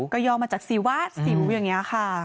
ก็ย่อมาจากศิวะสิวอย่างนี้ค่ะ